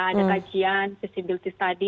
ada kajian feasibility study